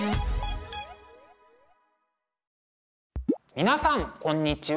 皆さんこんにちは。